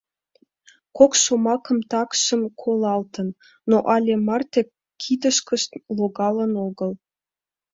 Кок шомакым такшым колалтын, но але марте кидышкышт логалын огыл.